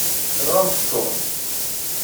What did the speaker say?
Tenɣamt Tom?